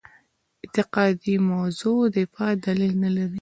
اعتقادي موضع دفاع دلیل نه لري.